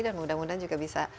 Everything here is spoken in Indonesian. dan mudah mudahan juga bisa